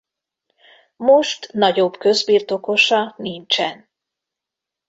Most nagyobb közbirtokosa nincsen.